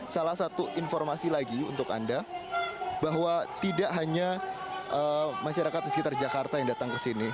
salah satu informasi lagi untuk anda bahwa tidak hanya masyarakat di sekitar jakarta yang datang ke sini